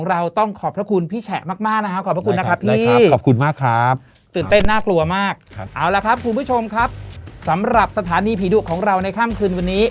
เอาละครับคุณผู้ชมครับสำหรับสถานีพีดของเราในคั้นคืนวันนี้